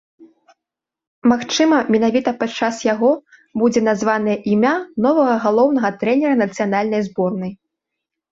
Магчыма, менавіта падчас яго будзе названае імя новага галоўнага трэнера нацыянальнай зборнай.